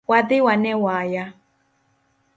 Wadhi wane waya